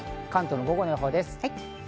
関東の午後の予報です。